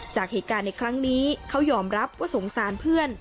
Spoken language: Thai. จากเหตุการณ์ในครั้งนี้เขายอมรับว่าสงสารเพื่อน